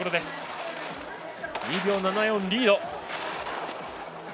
２秒７４のリード。